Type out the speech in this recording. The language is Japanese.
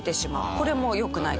これもよくないと。